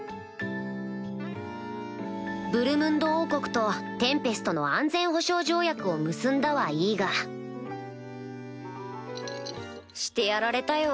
ブルムンド王国とテンペストの安全保障条約を結んだはいいがしてやられたよ。